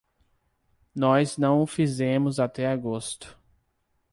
Nós não o fizemos até agosto.